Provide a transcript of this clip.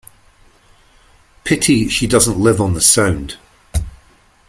Pity she doesn't live on the Sound.